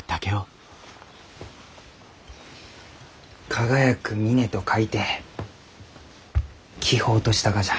輝く峰と書いて輝峰としたがじゃ。